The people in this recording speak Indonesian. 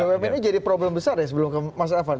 bumn ini jadi masalah besar ya sebelum ke masa depan